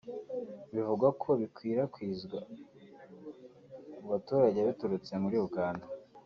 bivugwa ko bikwirakwizwa mu baturage biturutse muri Uganda